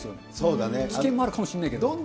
危険もあるかもしれないですけど。